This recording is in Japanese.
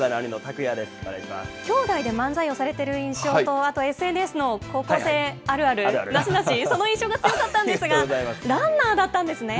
兄弟で漫才をされてる印象と、あと、ＳＮＳの高校生あるあるなしなし、その印象が強かったんですが、ランナーだったんですね。